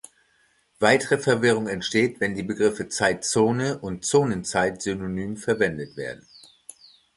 Weitere Verwirrung entsteht, wenn die Begriffe Zeitzone und Zonenzeit synonym verwendet werden.